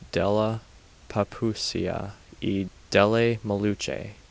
della Papuasia e delle Molucche.